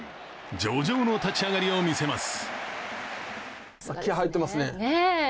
上々の立ち上がりを見せます。